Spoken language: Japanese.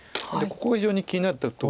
ここが非常に気になったとこで。